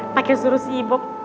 packnya suruh sibuk